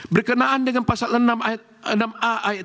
berkenaan dengan pasangan enam a ayat tiga